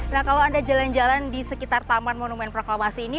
nah kalau anda jalan jalan di sekitar taman monumen proklamasi ini